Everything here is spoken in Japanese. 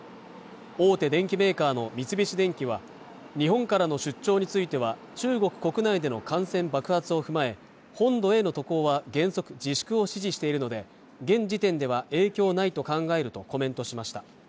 大手電機メーカーの三菱電機は日本からの出張については中国国内での感染爆発を踏まえ本土への渡航は原則自粛を指示しているので現時点では影響ないと考えるとコメントしました